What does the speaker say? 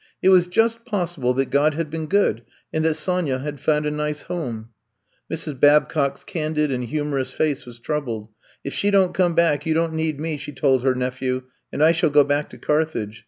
It was just possible that God had been good and that Sonya had found a nice home. Mrs. Babcock's candid and humorous face was troubled. If she don't come back, you don't need me, '' she told her nephew, and I shall go back to Carthage.